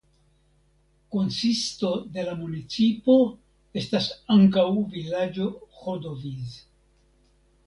Konsisto de la municipo estas ankaŭ vilaĝo Hodoviz.